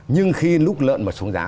nhưng khi lúc lợn mà xuống giá